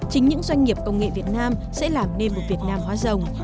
chính những doanh nghiệp công nghệ việt nam sẽ làm nên một việt nam hóa rồng